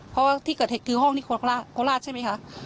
เพราะว่าที่เกิดเหตุคือห้องที่โคราชใช่ไหมคะ